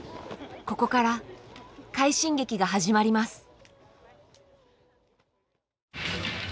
ここから快進撃が始まります。